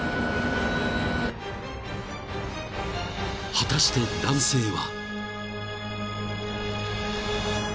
［果たして男性は］